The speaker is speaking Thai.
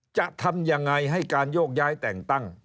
จะทำยังไงให้การโยกย้ายแต่งตั้ง